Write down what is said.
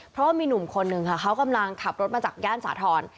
เพราะว่ามีหนุ่มคนหนึ่งค่ะเขากำลังขับรถมาจากย่านสาธรณ์